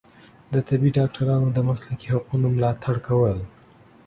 د طبي ډاکټرانو د مسلکي حقونو ملاتړ کول